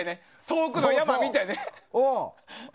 遠くの山見てね。